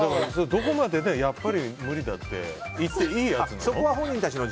どこまででやっぱり無理だって言っていいやつなの？